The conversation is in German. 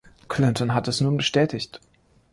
Clinton hat es nun bestätigt.